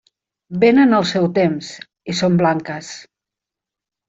Vénen al seu temps, i són blanques.